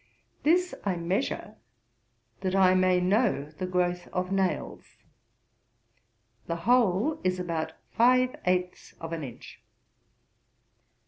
This I measure that I may know the growth of nails; the whole is about five eighths of an inch.'